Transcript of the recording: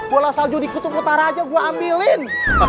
bola salju di kutub utara aja gue ambilin